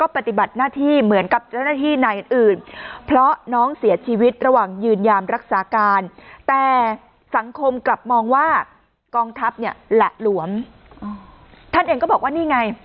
ผมกลับมองว่ากองทัพเนี่ยแหละหลวมท่านเองก็บอกว่านี่ไง